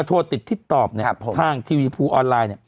โทรติศตอบเนี่ยครับผมทางทีวีพูออนไลน์เนี่ย